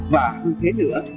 và hơn thế nữa